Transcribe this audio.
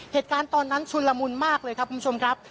เหตุการณ์ตอนนั้นชุนละมุนมากเลยครับคุณผู้ชมครับ